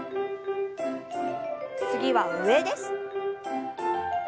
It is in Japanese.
次は上です。